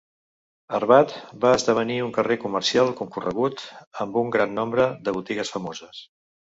Arbat va esdevenir un carrer comercial concorregut amb un gran nombre de botigues famoses.